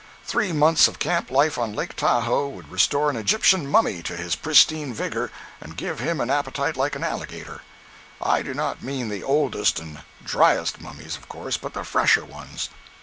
Three months of camp life on Lake Tahoe would restore an Egyptian mummy to his pristine vigor, and give him an appetite like an alligator. I do not mean the oldest and driest mummies, of course, but the fresher ones.